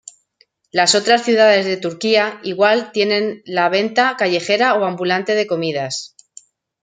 Las otras ciudades de Turquía igual tienen la venta callejera o ambulante de comidas.